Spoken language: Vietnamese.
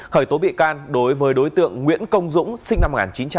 khởi tố bị can đối với đối tượng nguyễn công dũng sinh năm một nghìn chín trăm tám mươi